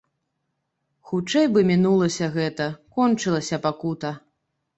Хутчэй бы мінулася гэта, кончылася пакута!